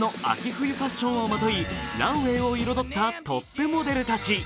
冬ファッションをまといランウェイを彩ったトップモデルたち。